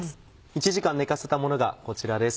１時間寝かせたものがこちらです。